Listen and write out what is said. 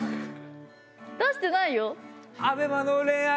出してないよ。